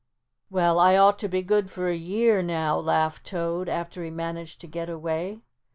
"Well, I ought to be good for a year, now," laughed Toad, after he managed to get away.